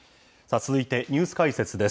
続いてニュース解説です。